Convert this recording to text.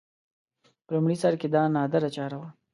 په لومړي سر کې دا نادره چاره وه